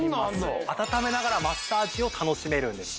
温めながらマッサージを楽しめるんですね。